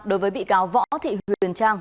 đối với bị cáo võ thị huyền trang